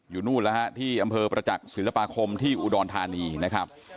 นู่นแล้วฮะที่อำเภอประจักษ์ศิลปาคมที่อุดรธานีนะครับ